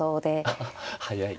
あっ早い。